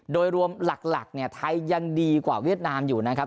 โดยรวมหลักเนี่ยไทยยังดีกว่าเวียดนามอยู่นะครับ